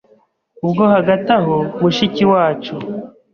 ubwo hagati aho mushiki wacu